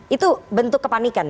itu bentuk kepanikan ya